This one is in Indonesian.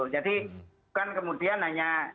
jadi bukan kemudian hanya